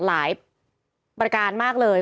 หลายประการมากเลย